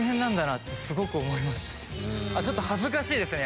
あとちょっと恥ずかしいですね